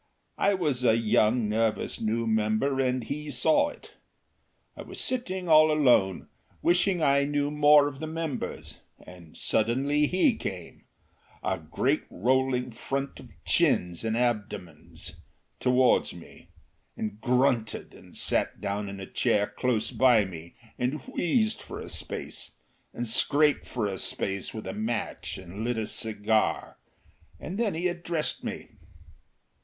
I was a young, nervous new member, and he saw it. I was sitting all alone, wishing I knew more of the members, and suddenly he came, a great rolling front of chins and abdomina, towards me, and grunted and sat down in a chair close by me and wheezed for a space, and scraped for a space with a match and lit a cigar, and then addressed me.